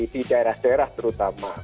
di daerah daerah terutama